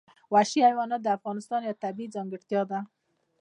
وحشي حیوانات د افغانستان یوه طبیعي ځانګړتیا ده.